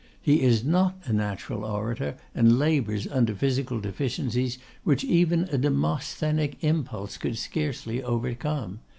He is not a natural orator, and labours under physical deficiencies which even a Demosthenic impulse could scarcely overcome.